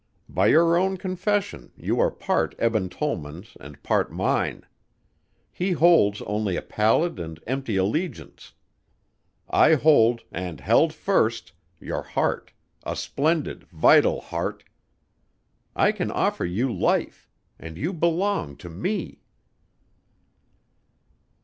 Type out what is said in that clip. By your own confession you are part Eben Tollman's and part mine. He holds only a pallid and empty allegiance: I hold, and held first, your heart, a splendid, vital heart.... I can offer you life ... and you belong to me!"